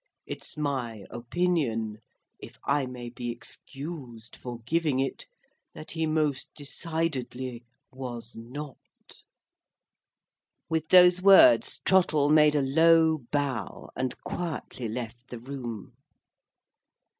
It's my opinion—if I may be excused for giving it—that he most decidedly was not." With those words, Trottle made a low bow, and quietly left the room.